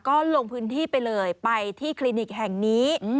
ก็ลงพื้นที่ไปเลยไปที่คลินิกแห่งนี้